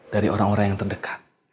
dari orang orang yang terdekat